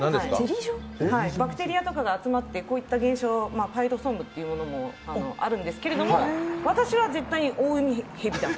バクテリアとかが集まって、こういった現象パエドソングというものもあるんですけど、私は絶対にオオウミヘビだと。